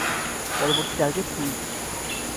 পরবর্তী টার্গেট তুই!